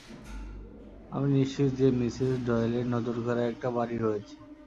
আমি নিশ্চিত যে মিসেস ডয়েলের নজরকাড়া একটা বাড়ি রয়েছে।